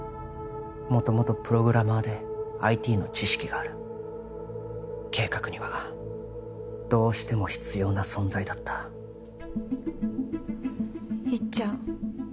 元々プログラマーで ＩＴ の知識がある計画にはどうしても必要な存在だったいっちゃん